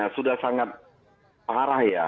sudah sangat parah ya